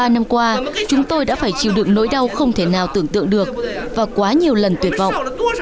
ba năm qua chúng tôi đã phải chịu đựng nỗi đau không thể nào tưởng tượng được và quá nhiều lần tuyệt vọng